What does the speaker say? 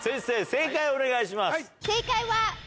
正解をお願いします。